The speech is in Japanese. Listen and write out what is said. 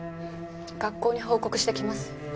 学校に報告してきます。